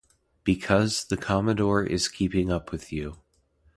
Because the Commodore is keeping up with you.